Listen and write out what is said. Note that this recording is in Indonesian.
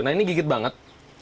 nah ini gigit banget